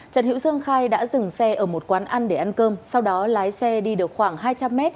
trần hữu sương khai đã dừng xe ở một quán ăn để ăn cơm sau đó lái xe đi được khoảng hai trăm linh m